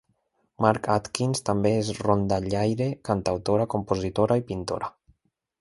Mark Atkins també és rondallaire, cantautora, compositora i pintora.